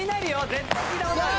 絶対聞いた事ある。